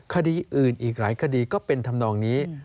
คดีอื่นอีกหลายคดีก็เป็นธรรมนองนี้